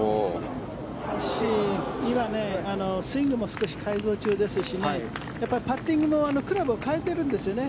今、スイングも少し改造中ですしパッティングもクラブを変えているんですよね。